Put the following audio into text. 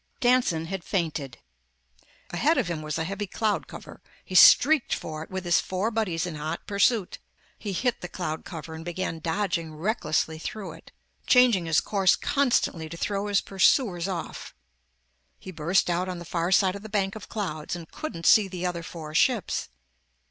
Danson had fainted. Ahead of him was a heavy cloud cover. He streaked for it, with his four buddies in hot pursuit. He hit the cloud cover and began dodging recklessly through it, changing his course constantly to throw his pursuers off. He burst out on the far side of the bank of clouds and couldn't see the other four ships.